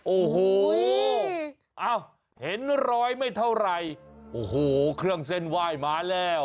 โอ้โหอ้าวเห็นรอยไม่เท่าไหร่โอ้โหเครื่องเส้นไหว้มาแล้ว